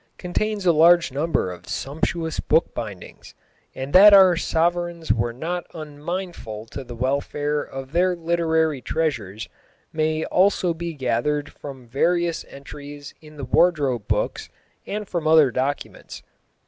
contains a large number of sumptuous bookbindings; and that our Sovereigns were not unmindful of the welfare of their literary treasures may also be gathered from various entries in the Wardrobe Books and from other documents.